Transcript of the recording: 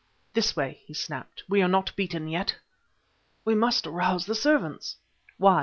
..." "This way!" he snapped. "We are not beaten yet!" "We must arouse the servants!" "Why?